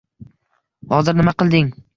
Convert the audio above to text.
Hozir nima qilding?